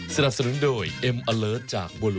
สวัสดีปีใหม่ครับ